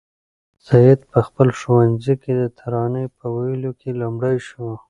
سعید په خپل ښوونځي کې د ترانې په ویلو کې لومړی شو.